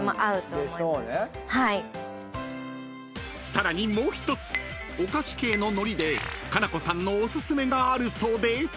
［さらにもう１つお菓子系ののりで夏菜子さんのお薦めがあるそうで］